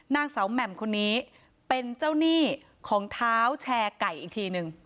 นางสาวแหม่มคนนี้เป็นเจ้าหนี้ของเท้าแชร์ไก่อีกทีนึง